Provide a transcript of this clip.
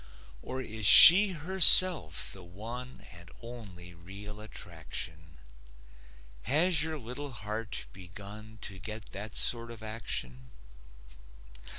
Or is she herself the one And only real attraction? Has your little heart begun To get that sort of action?